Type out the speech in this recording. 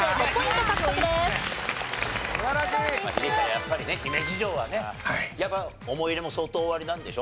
やっぱりね姫路城はね。やっぱ思い入れも相当おありなんでしょ？